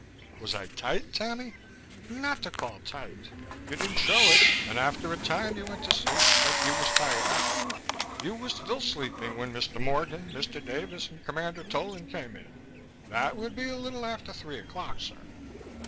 "Was I tight, Tammy?" "Not to call tight. You didn't show it, and after a time you went to sleep, like you was tired out. You was still sleeping when Mr. Morgan, Mr. Davis and Commander Tolan came in. That would be a little after three o'clock, sir.